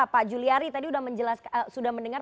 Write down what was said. pak juliari tadi sudah mendengar